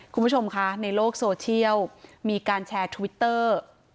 คุณผู้ชมคะในโลกโซเชียลมีการแชร์ทวิตเตอร์